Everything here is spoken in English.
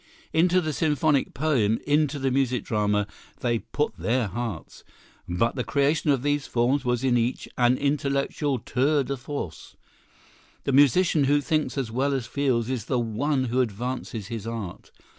Into the Symphonic Poem, into the Music Drama, they put their hearts; but the creation of these forms was in each an intellectual tour de force. The musician who thinks as well as feels is the one who advances his art.